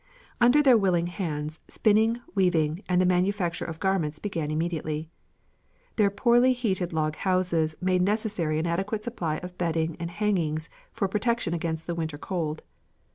Under their willing hands spinning, weaving, and the manufacture of garments began immediately. Their poorly heated log houses made necessary an adequate supply of bedding and hangings for protection against the winter cold.